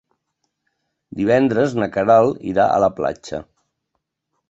Divendres na Queralt irà a la platja.